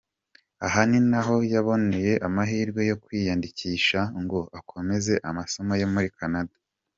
Aha ni naho yaboneye amahirwe yo kwiyandikisha ngo akomeze amasomo ye muri Canada.